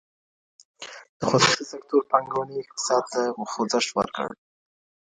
د خصوصي سکتور پانګوني اقتصاد ته خوځښت ورکړ.